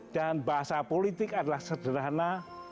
bahasa politik adalah sederhana